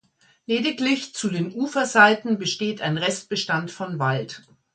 Lediglich zu den Uferseiten besteht ein Restbestand von Wald.